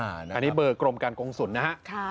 อันนี้เบอร์กรมการกงศูนย์นะฮะ